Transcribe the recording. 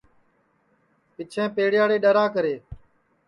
پِچھیں پیڑے یاڑے ڈؔراکرے